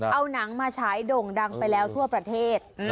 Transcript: เอาหนังมาฉายโด่งดังไปแล้วทั่วประเทศ